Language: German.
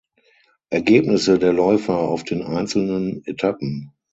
Ergebnisse der Läufer auf den einzelnen Etappen.